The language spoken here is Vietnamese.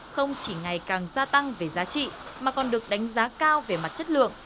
không chỉ ngày càng gia tăng về giá trị mà còn được đánh giá cao về mặt chất lượng